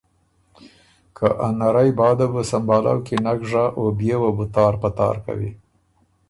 خه ا نرئ باده بُو سمبهالؤ کی نک ژۀ او بيې وه بُو تار په تار کوی۔